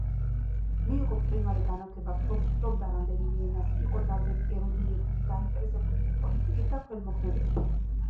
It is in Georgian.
მიიღო ბრწყინვალე განათლება, ფლობდა რამდენიმე ენას, იყო ძალზედ ერუდირებული, დაინტერესებული იყო პოლიტიკით და ქველმოქმედებით.